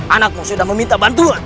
anakmu sudah meminta bantuan